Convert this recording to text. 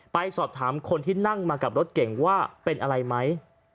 ไปสอบถามคนที่นั่งมากับรถเก่งว่าเป็นอะไรไหม